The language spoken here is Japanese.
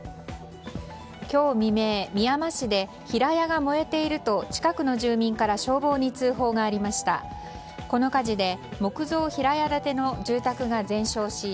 今日未明、みやま市で平屋が燃えていると近くの住民から消防に通報がありました。